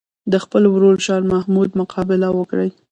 د خپل ورور شاه محمود مقابله وکړي.